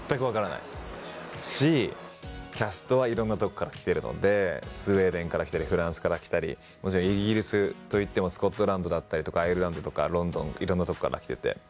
キャストはいろんな所から来てるのでスウェーデンから来たりフランスから来たりイギリスといってもスコットランドだったりとかアイルランドとかロンドンいろんな所から来てて。